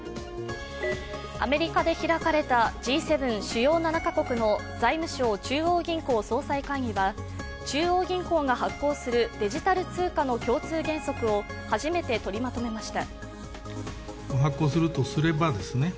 アメリカで開かれたＧ７＝主要７か国の財務相・中央銀行総裁会議は中央銀行が発行するデジタル通貨の共同原則を初めて取りまとめました。